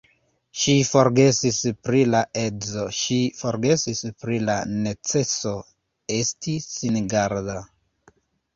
Ŝi forgesis pri la edzo, ŝi forgesis pri la neceso esti singarda.